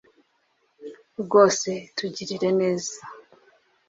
rwose tugirire neza c